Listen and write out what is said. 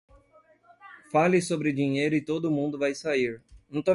Fale sobre dinheiro e todo mundo vai sair.